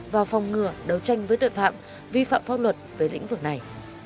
và phòng ngừa đấu tranh với tội phạm vi phạm pháp luật về lĩnh vực này